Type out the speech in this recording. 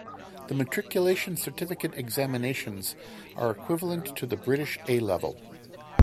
The Matriculation Certificate examinations are equivalent to the British A Level.